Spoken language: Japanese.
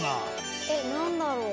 えっなんだろう？